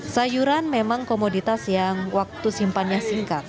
sayuran memang komoditas yang waktu simpannya singkat